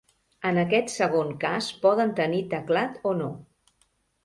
En aquest segon cas poden tenir teclat o no.